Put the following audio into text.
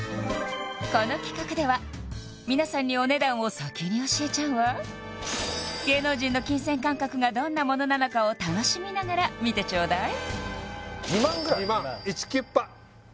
この企画では皆さんにお値段を先に教えちゃうわ芸能人の金銭感覚がどんなものなのかを楽しみながら見てちょうだい２００００ぐらい？